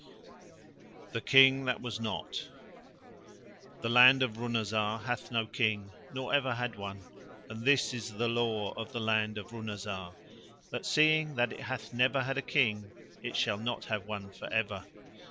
THE KING THAT WAS NOT The land of Runazar hath no King nor ever had one; and this is the law of the land of Runazar that, seeing that it hath never had a King, it shall not have one for ever.